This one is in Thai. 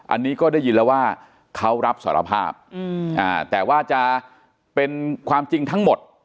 อันนี้ก็ได้ยินแล้วว่าเขารับสารภาพแต่ว่าจะเป็นความจริงทั้งหมด